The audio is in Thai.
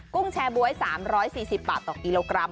ุ้งแชร์บ๊วย๓๔๐บาทต่อกิโลกรัม